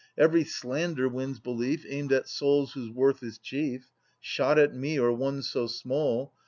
Every slander wins belief Aimed at souls whose worth is chief : Shot at me, or one so small.